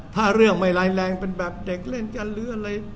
ถ้าเรื่องไม่ร้ายแรงเป็นแบบเด็กเล่นกันหรืออะไร